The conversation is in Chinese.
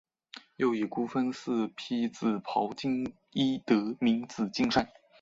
又以孤峰似披紫袍金衣得名紫金山。